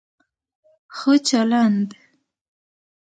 ښه چلند